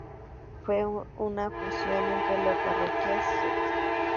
Fue una fusión entre las parroquias St.